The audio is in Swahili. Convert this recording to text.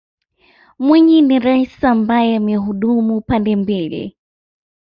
mwinyi ni raisi ambaye amehudumu pande mbili